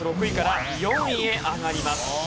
６位から４位へ上がります。